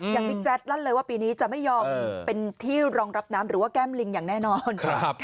อย่างพี่แจ๊ดลั่นเลยว่าปีนี้จะไม่ยอมเป็นที่รองรับน้ำหรือว่าแก้มลิงอย่างแน่นอน